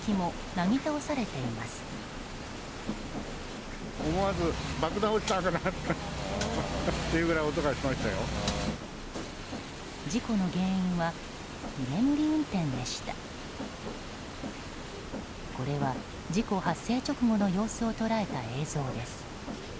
これは事故発生直後の様子を捉えた映像です。